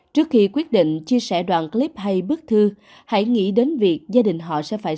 trước khi quyết định chia sẻ đoạn clip hay bức thư hãy nghĩ đến việc gia đình họ có thể trả lời